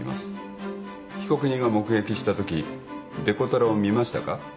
被告人が目撃したときデコトラを見ましたか。